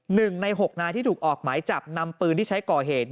หนึ่งในหกนายที่ถูกออกหมายจับนำปืนที่ใช้ก่อเหตุ